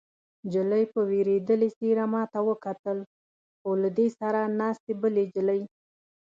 نجلۍ په وېرېدلې څېره ما ته وکتل، خو له دې سره ناستې بلې نجلۍ.